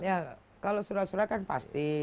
ya kalau surat surat kan pasti